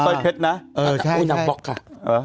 สร้อยเพชรนะเออใช่ใช่อุ๊ยนับปลอกค่ะเออ